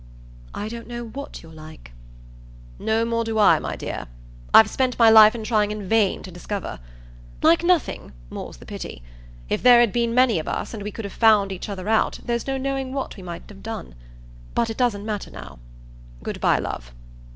"I don't know what you're like." "No more do I, my dear. I've spent my life in trying in vain to discover. Like nothing more's the pity. If there had been many of us and we could have found each other out there's no knowing what we mightn't have done. But it doesn't matter now. Good bye, love."